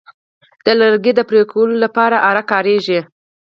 د لرګي د پرې کولو لپاره آره کاریږي.